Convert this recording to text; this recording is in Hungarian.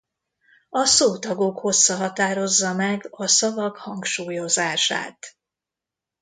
A szótagok hossza határozza meg a szavak hangsúlyozását.